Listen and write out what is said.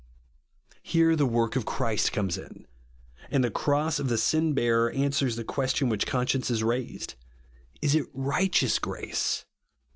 Here the work of Christ comes in ; and the cross of the Sin bearer answers the question which conscience had raised, —'* Is it righteous grace?"